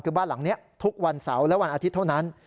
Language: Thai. คือบ้านหลังนี้ทุกวันเสาร์และวันอาทิตย์เท่านั้น